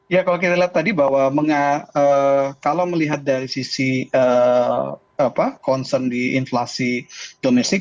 ya kalau kita lihat tadi bahwa kalau melihat dari sisi concern di inflasi domestik